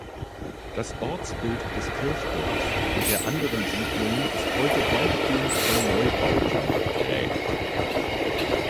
Das Ortsbild des Kirchdorfs und der anderen Siedlungen ist heute weitgehend von Neubauten geprägt.